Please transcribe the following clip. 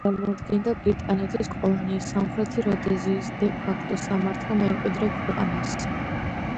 ის წარმოადგენდა ბრიტანეთის კოლონიის სამხრეთი როდეზიის დე ფაქტო სამართალ მემკვიდრე ქვეყანას.